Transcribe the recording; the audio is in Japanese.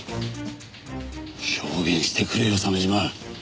証言してくれよ鮫島。